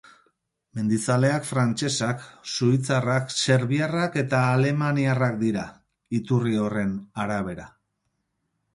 Mendizaleak frantzesak, suitzarrak, serbiarrak eta alemaniarrak dira, iturri horren arabera.